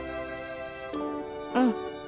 うん。